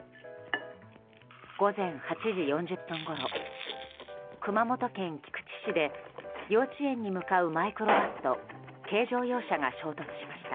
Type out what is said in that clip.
午前８時４０分ごろ熊本県菊池市で幼稚園に向かうマイクロバスと軽乗用車が衝突しました。